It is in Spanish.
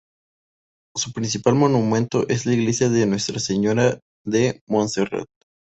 Su principal monumento es la Iglesia de Nuestra Señora de Monserrate.